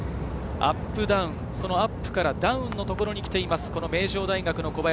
アップダウン、そのアップからダウンのところに来ています、名城大学・小林。